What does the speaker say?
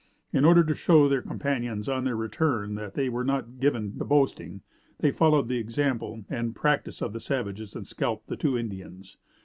In order to show their companions on their return that they were not given to boasting, they followed the example and practice of the savages and scalped the two Indians.